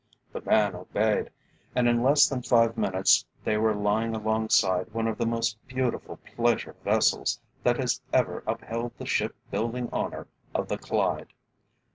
The man obeyed, and in less than five minutes they were lying alongside one of the most beautiful pleasure vessels that has ever upheld the shipbuilding honour of the Clyde.